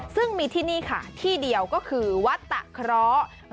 ซึ่งมีที่นี่ค่ะที่เดียวก็คือวัดตะเคราะห์